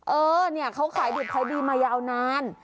เออเนี่ยเขาขายดิบขายดีมายาวนาน